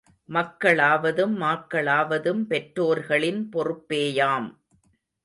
மக்களாவதும் மாக்களாவதும் பெற்றோர்களின் பொறுப் பேயாம்.